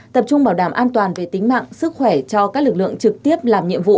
tập trung bảo đảm an toàn về tính mạng sức khỏe cho các lực lượng trực tiếp làm nhiệm vụ